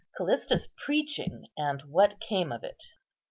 CALLISTA'S PREACHING, AND WHAT CAME OF IT.